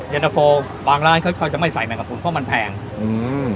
เย็นตะโฟบางร้านเขาจะไม่ใส่แมงดาฟูนเพราะมันแพงอืม